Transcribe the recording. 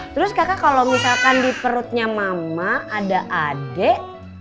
terus kakak kalau misalkan di perutnya mama ada adik